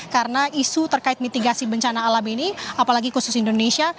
karena isu terkait mitigasi bencana alam ini apalagi khusus indonesia